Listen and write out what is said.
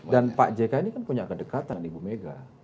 dan pak jk ini kan punya kedekatan di bumega